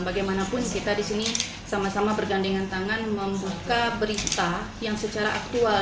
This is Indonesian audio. bagaimanapun kita di sini sama sama bergandengan tangan membuka berita yang secara aktual